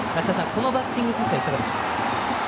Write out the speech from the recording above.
このバッティング自体はいかがでしょう？